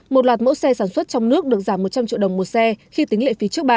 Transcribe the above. một loạt mẫu xe sản xuất trong nước được giảm một trăm linh triệu đồng một xe khi tính lệ phí trước bạ